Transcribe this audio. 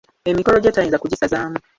Emikolo gye tayinza kugisazaamu.